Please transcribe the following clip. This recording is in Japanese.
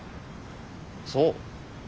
そう？